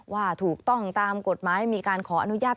ว่าถูกต้องตามกฎหมายมีการขออนุญาต